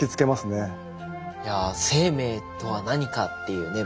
いや生命とは何かっていうね